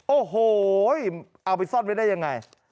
โอ้โหเอาไปซ่อนไว้ได้ยังไง